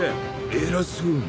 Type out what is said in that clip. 偉そうに。